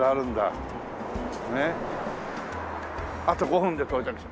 「あと５分で到着」